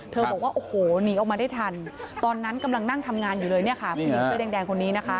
บอกว่าโอ้โหหนีออกมาได้ทันตอนนั้นกำลังนั่งทำงานอยู่เลยเนี่ยค่ะผู้หญิงเสื้อแดงคนนี้นะคะ